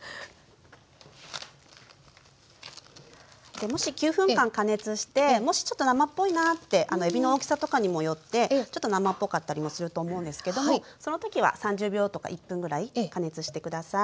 でもし９分間加熱してもしちょっと生っぽいなってえびの大きさとかにもよってちょっと生っぽかったりもすると思うんですけどその時は３０秒とか１分ぐらい加熱して下さい。